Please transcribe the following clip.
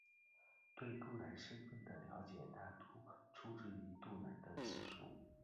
对杜兰身份的了解大多出自于杜兰的自述。